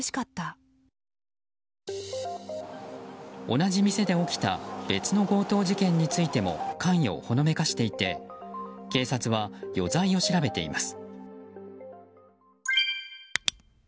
同じ店で起きた別の強盗事件についても関与をほのめかしていて警察は余罪を調べています。